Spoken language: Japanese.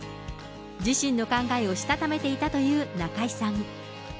自身の考えをしたためていたという中居さん。